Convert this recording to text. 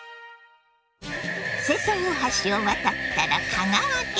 瀬戸大橋を渡ったら香川県。